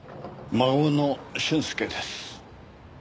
孫の俊介です。